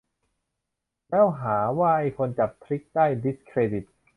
แล้วหาว่าไอ้คนจับทริกได้'ดิสเครดิต'